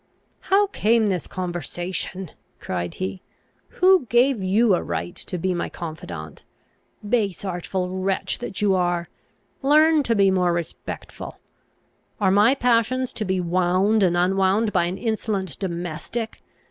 "How came this conversation?" cried he. "Who gave you a right to be my confidant? Base, artful wretch that you are! learn to be more respectful! Are my passions to be wound and unwound by an insolent domestic?